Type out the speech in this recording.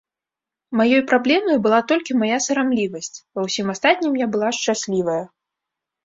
Маёй праблемай была толькі мая сарамлівасць, ва ўсім астатнім я была шчаслівая.